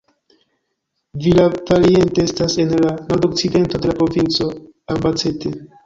Villavaliente estas en la nordokcidento de la provinco Albacete.